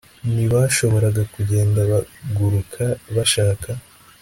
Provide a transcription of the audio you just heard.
Ntibashoboraga kugenda baguruka bashaka